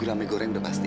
gula mie goreng udah pasti